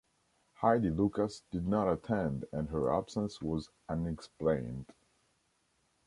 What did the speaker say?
Heidi Lucas did not attend, and her absence was unexplained.